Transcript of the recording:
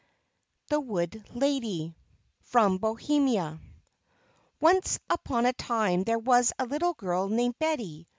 THE WOOD LADY From Bohemia Once upon a time there was a little girl named Betty.